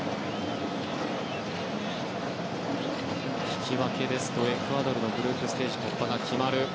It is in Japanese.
引き分けだとエクアドルのグループステージ突破が決まる。